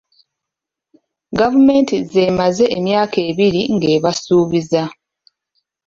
Gavumenti z'emaze emyaka ebiri ng'ebasuubiza.